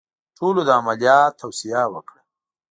ټولو د عملیات توصیه وکړه.